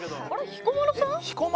彦摩呂さん？